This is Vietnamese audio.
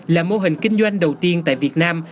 là mô hình kinh doanh đầu tiên tại việt nam